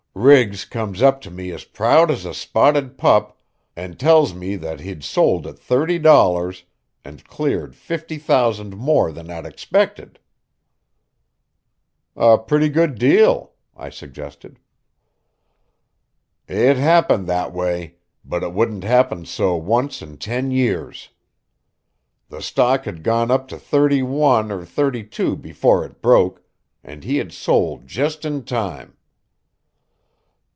Riggs comes up to me as proud as a spotted pup, and tells me that he'd sold at thirty dollars, and cleared fifty thousand more than I'd expected." "A pretty good deal," I suggested. "It happened that way, but it wouldn't happen so once in ten years. The stock had gone up to thirty one or thirty two before it broke, and he had sold just in time."